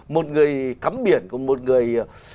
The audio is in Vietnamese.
một người cắm biển của một người